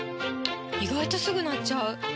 意外とすぐ鳴っちゃう！